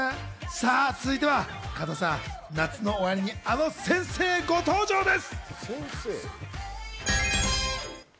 続いては加藤さん、夏の終わりにあの先生、ご登場です。